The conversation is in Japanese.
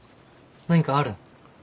何かあるん？